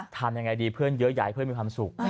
ทำยังไงดีเพื่อนเยอะอยากให้เพื่อนมีความสุข